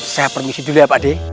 saya permisi dulu ya pak d